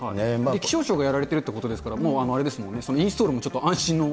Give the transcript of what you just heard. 気象庁がやられてるということですから、インストールもちょっと安心の。